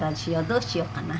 どうしようかな？